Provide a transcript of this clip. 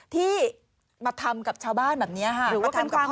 ที่มาทำกับชาวบ้านแบบนี้ค่ะ